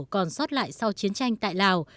còn sót lại sau chiến tranh tại lào